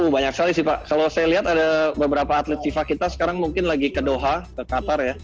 banyak sekali sih pak kalau saya lihat ada beberapa atlet fifa kita sekarang mungkin lagi ke doha ke qatar ya